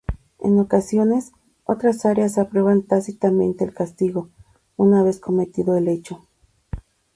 En ocasiones, otras áreas aprueban tácitamente el castigo, una vez cometido el hecho.